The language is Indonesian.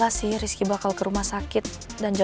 daddy sangat manjain kamu